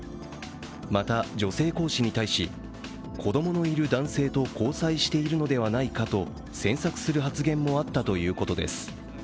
また、女性講師に対し子供のいる男性と交際しているのではないかと詮索する発言もあったということです。